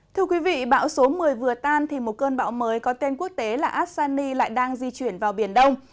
thưa quý vị bão số một mươi vừa tan thì một cơn bão mới có tên quốc tế là asani lại đang di chuyển vào biển đông